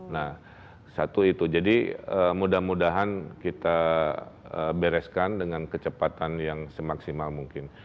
nah satu itu jadi mudah mudahan kita bereskan dengan kecepatan yang semaksimal mungkin